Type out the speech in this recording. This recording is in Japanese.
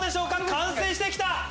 完成してきた。